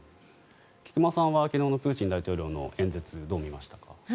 菊間さんは昨日のプーチン大統領の演説どう見ましたか？